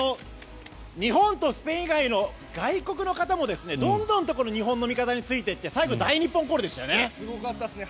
日本とスペイン以外の外国の方もどんどんとこの日本の味方についていってすごかったですね。